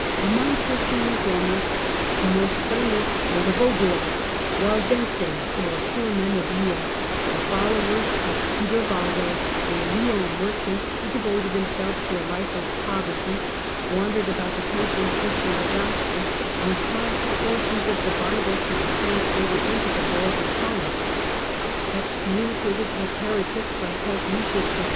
Among The Christian reformers the most famous were the Vaiidois, Waidenses Waldenses, or "Poor Men of Lyons," the followers of Peter Valdo, a Lyons merchant who devoted himself to a life of poverty, wandered about the country preaching the Gospel, and caused portions of the Bible to be tran slated into the vulgar tongue. Excommunicated as heretics by Pope Lucius III.